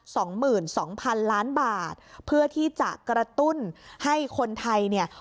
สองหมื่นสองพันล้านบาทเพื่อที่จะกระตุ้นให้คนไทยเนี่ย